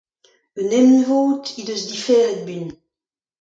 Un emvod he deus diferet buan.